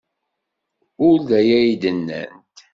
Ur d aya ay d-nnant.